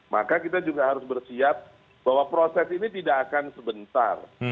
maka kita juga harus bersiap bahwa proses ini tidak akan sebentar